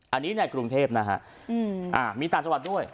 อันนี้ในกรุงเทพฯนะฮะอ่ามีตราสะวัสด้วย